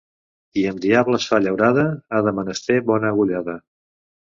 Qui amb diables fa llaurada ha de menester bona agullada.